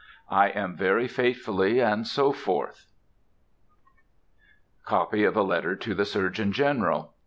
I am very faithfully, &c. _Copy of a Letter to the Surgeon General.